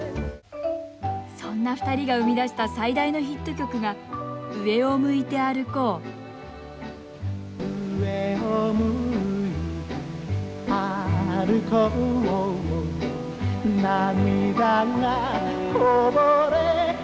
そんな２人が生み出した最大のヒット曲が「上を向いて歩こう」「涙がこぼれないように」